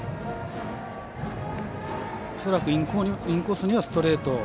恐らくインコースにはストレート。